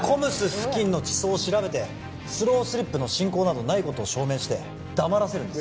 付近の地層を調べてスロースリップの進行などないことを証明して黙らせるんです